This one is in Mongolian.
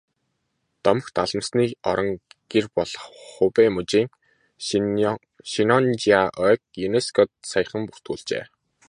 Домогт алмасны орон гэр болох Хубэй мужийн Шеннонжиа ойг ЮНЕСКО-д саяхан бүртгүүлжээ.